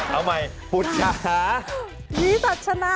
เอาใหม่ฒุชชาอีฟศชชนะ